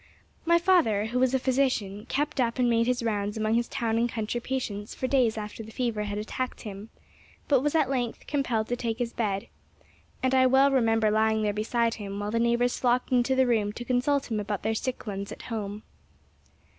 My father, who was a physician, kept up and made his rounds among his town and country patients for days after the fever had attacked him, but was at length compelled to take his bed, and I well remember lying there beside him while the neighbors flocked into the room to consult him about their sick ones at home.